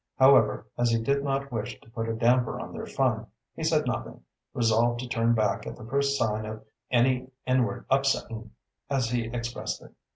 However, as he did not wish to put a damper on their fun, he said nothing, resolved to turn back at the first sign of any "inward upsettin'," as he expressed it.